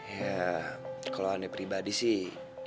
ya kalau anda pribadi sih